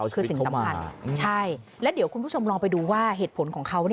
คือสิ่งสำคัญใช่แล้วเดี๋ยวคุณผู้ชมลองไปดูว่าเหตุผลของเขา